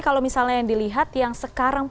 kalau misalnya yang dilihat yang sekarang